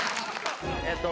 えっと。